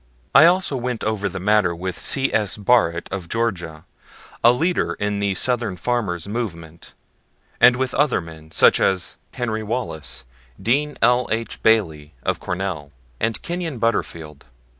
I also went over the matter with C. S. Barrett, of Georgia, a leader in the Southern farmers' movement, and with other men, such as Henry Wallace, Dean L. H. Bailey, of Cornell, and Kenyon Butterfield.